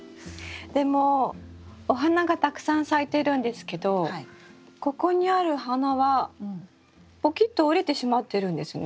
でもお花がたくさん咲いてるんですけどここにある花はポキッと折れてしまってるんですね。